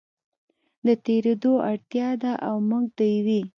د تېرېدو اړتیا ده او موږ د یوې